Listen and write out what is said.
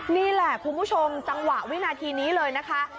นี่แหละคุณผู้ชมจังหวะวินาทีนี้เลยนะคะ